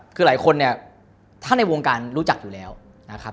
คือหลายคนเนี่ยถ้าในวงการรู้จักอยู่แล้วนะครับ